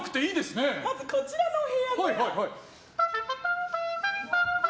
まず、こちらのお部屋で。